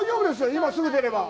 今すぐ出れば。